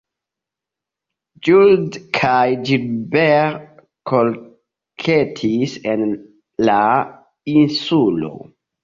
Gould kaj Gilbert kolektis en la insulo.